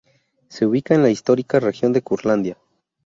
Se ubica en la histórica región de Curlandia.